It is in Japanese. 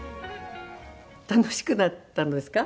楽しくなったのですか？